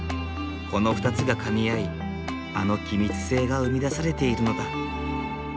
この２つがかみ合いあの気密性が生み出されているのだ。